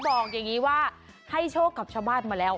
บอกอย่างนี้ว่าให้โชคกับชาวบ้านมาแล้ว